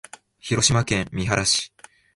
広島県三原市